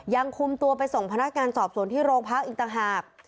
ยังคุมตัวไปส่งพนักงานสอบสวนที่โรงพักอีกต่างหาก